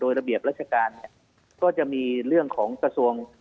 ระเบียบราชการเนี่ยก็จะมีเรื่องของกระทรวง